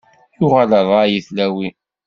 Yuɣal rray i tlawin.